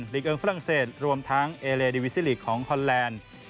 ลิกเอิงฝรั่งเศสรวมทั้งเอเลดิวิซิลิกของฮอนแลนด์